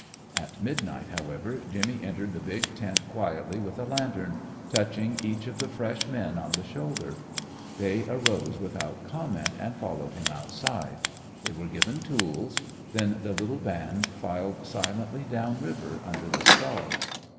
At midnight, however, Jimmy entered the big tent quietly with a lantern, touching each of the fresh men on the shoulder. They arose without comment, and followed him outside. There they were given tools. Then the little band filed silently down river under the stars.